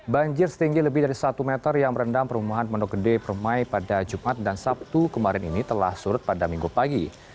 banjir setinggi lebih dari satu meter yang merendam perumahan pondok gede permai pada jumat dan sabtu kemarin ini telah surut pada minggu pagi